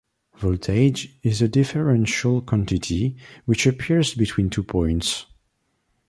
Voltage is a differential quantity, which appears between two points.